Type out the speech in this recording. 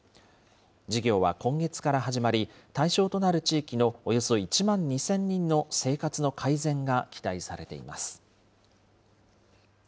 事業は今月から始まり、対象となる地域のおよそ１万２０００人の生活の改善が期待されています。